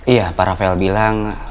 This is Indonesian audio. iya pak rafael bilang